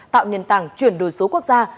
tạo nền tảng chuyển đổi số quốc gia